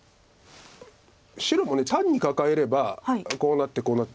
白も単にカカえればこうなってこうなって。